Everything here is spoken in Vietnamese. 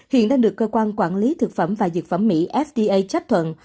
hiện đang được cơ quan quản lý thực phẩm và dược phẩm mỹ fda chấp thuận